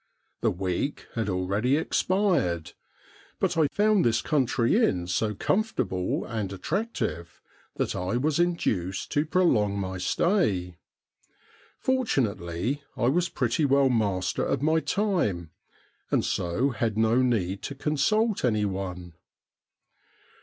The week had already expired, but I found this country inn so comfortable and attractive that I was induced to prolong my stay Fortunately, I was pretty well master of my time, and so had no need to consult any one.